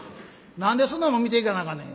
何でそんなもん見ていかなあかんねん」。